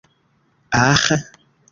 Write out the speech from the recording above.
aĥ